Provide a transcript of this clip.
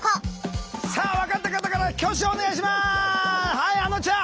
はいあのちゃん。